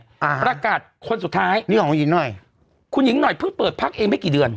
อ่าประกาศคนสุดท้ายนี่ของคุณหญิงหน่อยคุณหญิงหน่อยเพิ่งเปิดพักเองไม่กี่เดือน